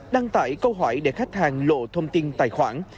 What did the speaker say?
đăng tải câu hỏi để khách hàng lộ thông tin tài khoản